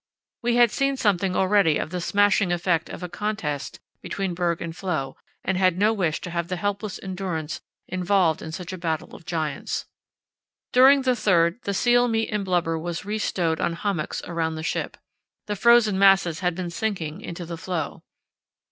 We had seen something already of the smashing effect of a contest between berg and floe, and had no wish to have the helpless Endurance involved in such a battle of giants. During the 3rd the seal meat and blubber was re stowed on hummocks around the ship. The frozen masses had been sinking into the floe.